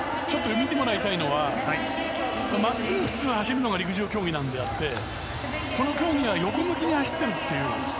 見てもらいたいのは真っすぐ普通は走るのが陸上競技なのであってこの競技は横向きに走ってるという。